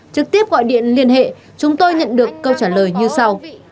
trực tiếp gọi điện liên hệ chúng tôi nhận được câu trả lời như sau